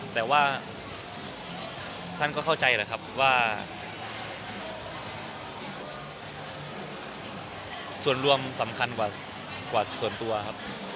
แต่ว่าท่านก็เข้าใจแหละครับว่าส่วนรวมสำคัญกว่าส่วนตัวครับ